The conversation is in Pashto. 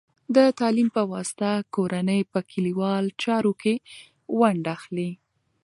د تعلیم په واسطه، کورنۍ په کلیوالو چارو کې ونډه اخلي.